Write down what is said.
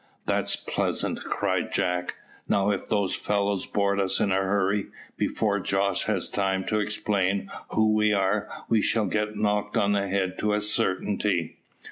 "That's pleasant," cried Jack. "Now if those fellows board us in a hurry, before Jos has time to explain who we are, we shall get knocked on the head to a certainty."